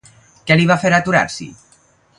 Què li va fer aturar-s'hi?